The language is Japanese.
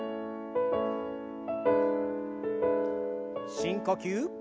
深呼吸。